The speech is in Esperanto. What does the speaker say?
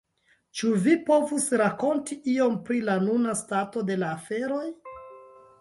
Ĉu vi povus rakonti iom pri la nuna stato de la aferoj?